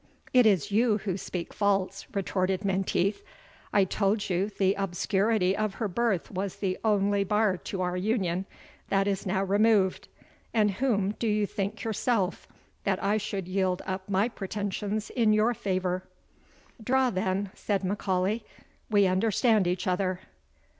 "It is you who speak false," retorted Menteith. "I told you the obscurity of her birth was the only bar to our union that is now removed; and whom do you think yourself, that I should yield up my pretensions in your favour?" "Draw then," said M'Aulay; "we understand each other."